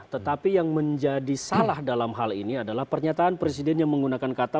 tetapi yang menjadi salah dalam hal ini adalah pernyataan presiden yang menggunakan kata